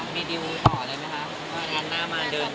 มีดิวต่อเลยไหมคะว่าร้านหน้ามาเดิน